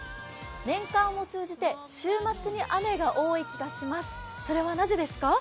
年間を通じて週末に雨が多い気がします、それはなぜですか。